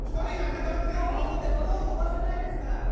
なかなか生放送でドローン飛ばせないですから。